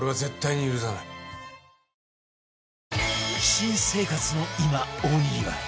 新生活の今大にぎわい